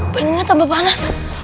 peningnya tambah panas